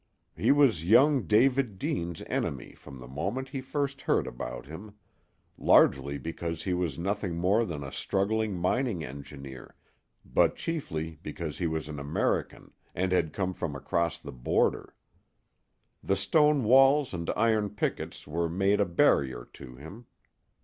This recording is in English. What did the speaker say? He was young David Deane's enemy from the moment he first heard about him, largely because he was nothing more than a struggling mining engineer, but chiefly because he was an American and had come from across the border. The stone walls and iron pickets were made a barrier to him.